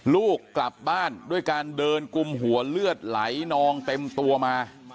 ลูกกลับบ้านด้วยการเดินกุมหัวเลือดไหลนองเต็มตัวมา